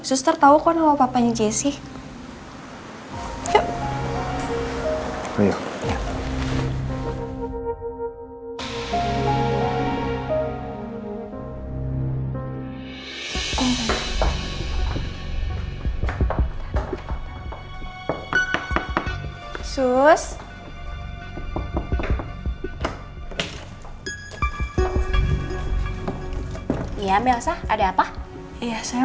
suster tahu kok nama papanya jessy